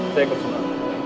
saya ikut semua